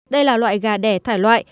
đây là loại gà đẻ thải loại